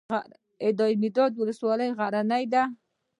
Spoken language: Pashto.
دایمیرداد ولسوالۍ غرنۍ ده؟